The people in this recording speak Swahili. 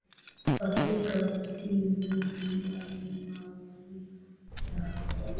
afrika kusini tanzania na maurita